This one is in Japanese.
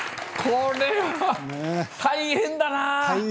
これは大変だな。